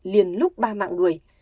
liền lúc ba mạng người